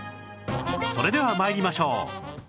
それでは参りましょう